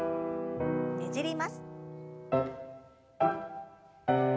ねじります。